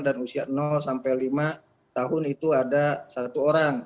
dan usia sampai lima tahun itu ada satu orang